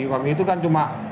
waktu itu kan cuma